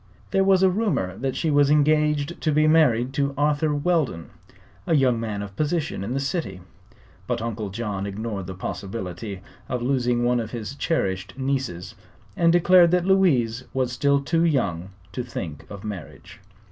There was a rumor that she was engaged to be married to Arthur Weldon, a young man of position in the city; but Uncle John ignored the possibility of losing one of his cherished nieces and declared that Louise was still too young to think of marriage.